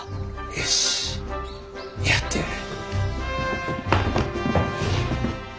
よしやってやる。